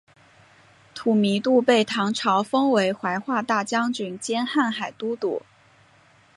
吐迷度被唐朝封为怀化大将军兼瀚海都督。